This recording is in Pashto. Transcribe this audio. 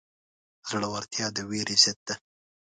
زړورتیا د وېرې ضد ده.